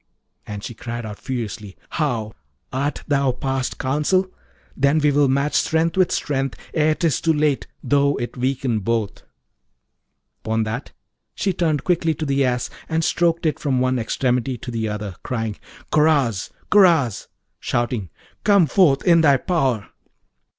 And she cried out furiously, 'How! art thou past counsel? then will we match strength with strength ere 'tis too late, though it weaken both.' Upon that, she turned quickly to the Ass and stroked it from one extremity to the other, crying, 'Karaz! Karaz!' shouting, 'Come forth in thy power!'